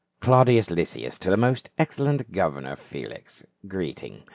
404 PAUL. " Claudius Lysias to the most excellent governor Felix : Greeting.